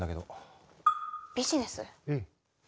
うん。